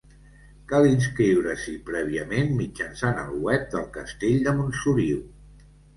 Cal inscriure-s'hi prèviament mitjançant el web del Castell de Montsoriu.